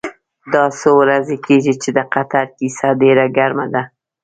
دا څو ورځې کېږي چې د قطر کیسه ډېره ګرمه ده.